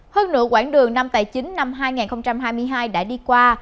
hơn nửa quảng đường năm tài chính năm hai nghìn hai mươi hai đã đi qua